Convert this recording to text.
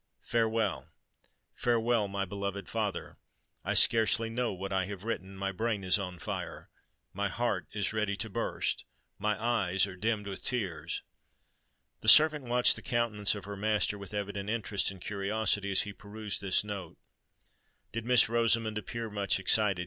Farewell—farewell, my beloved father! I scarcely know what I have written—my brain is on fire—my heart is ready to burst—my eyes are dimmed with tears." The servant watched the countenance of her master with evident interest and curiosity as he perused this note. "Did Miss Rosamond appear much excited?"